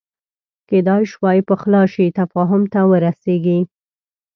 کېدای شوای پخلا شي تفاهم ته ورسېږي